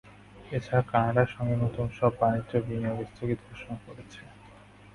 এ ছাড়া কানাডার সঙ্গে নতুন সব বাণিজ্য ও বিনিয়োগ স্থগিত ঘোষণা করেছে।